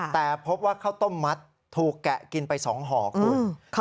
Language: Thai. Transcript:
แต่พบว่าข้าวต้มมัดถูกแกะกินไป๒ห่อคุณ